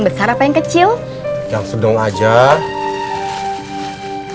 besar apa yang kecil jangshon doajada